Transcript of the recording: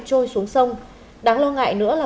trôi xuống sông đáng lo ngại nữa là